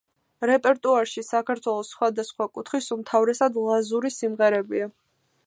რეპერტუარში საქართველოს სხვადასხვა კუთხის, უმთავრესად ლაზური სიმღერებია.